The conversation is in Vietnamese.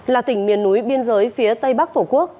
là tỉnh miền núi biên giới phía tây bắc tổ quốc